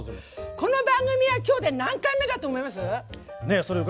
この番組はきょうで何回目だと思います？